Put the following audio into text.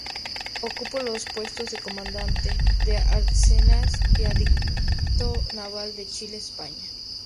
Ocupó los puestos de comandante de Arsenales y adicto naval de Chile en España.